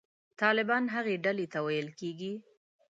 طالبان هغې ډلې ته ویل کېږي.